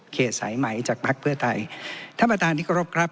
สายไหมจากภักดิ์เพื่อไทยท่านประธานที่กรบครับ